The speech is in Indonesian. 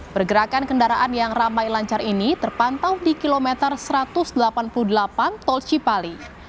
pergerakan kendaraan yang ramai lancar ini terpantau di kilometer satu ratus delapan puluh delapan tol cipali